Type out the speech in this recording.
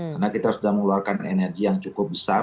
karena kita sudah mengeluarkan energi yang cukup besar